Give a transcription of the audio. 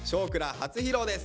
初披露です。